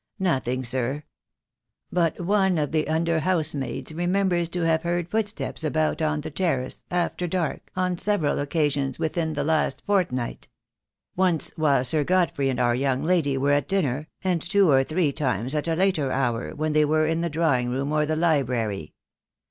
"Nothing, sir; but one of the under housemaids re members to have heard footsteps about on the terrace, after dark, on several occasions within the last fortnight; once while Sir Godfrey and our young lady were at dinner, and two or three times at a later hour when they were in the drawing room or the library."